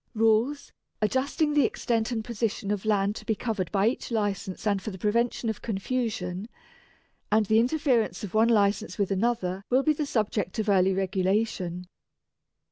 Rules, adjusting the extent and position of land to be covered by each License and for the prevention of confusion, and the interference of one License with another will be the subject of early regulation.